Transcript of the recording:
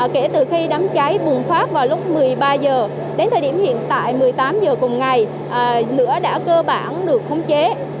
kể từ khi đám cháy bùng phát vào lúc một mươi ba h đến thời điểm hiện tại một mươi tám h cùng ngày lửa đã cơ bản được khống chế